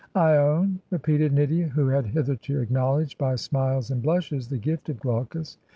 'lone?' repeated Nydia, who had hitherto acknowledged by smiles and blushes the gift of Glaucus.